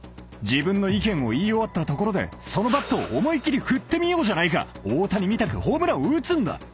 自分の意見を言い終わったところでそのバット思い切り振ってみようじゃないか大谷みたくホームランを打つんだ！